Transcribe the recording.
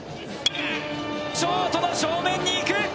ショートの正面に行く。